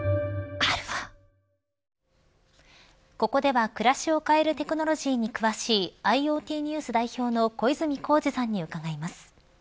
ここでは暮らしを変えるテクノロジーに詳しいＩｏＴＮＥＷＳ代表の小泉耕二さんに伺います。